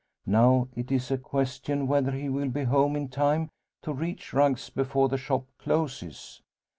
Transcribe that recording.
Now it is a question whether he will be home in time to reach Rugg's before the shop closes.